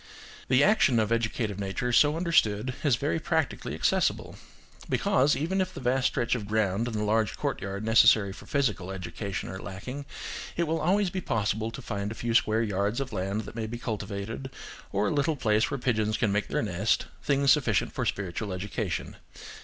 The action of educative nature so understood is very practically accessible. Because, even if the vast stretch of ground and the large courtyard necessary for physical education are lacking, it will always be possible to find a few square yards of land that may be cultivated, or a little place where pigeons can make their nest, things sufficient for spiritual education.